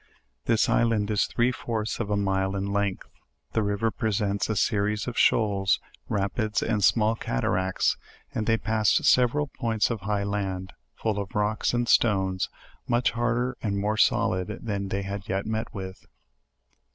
This island is three fourths of a mile in length. The river presents a series of shoals, ra pids, and small cataracts; and they passed several points of highland, full of rocks and stones, much harder and more solid than any they had yet met with.